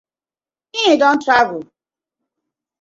Him don travel.